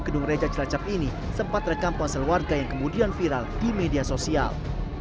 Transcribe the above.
gedung reja cilacap ini sempat rekam ponsel warga yang kemudian viral di media sosial